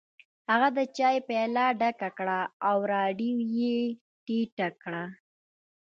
هغه د چای پیاله ډکه کړه او رادیو یې ټیټه کړه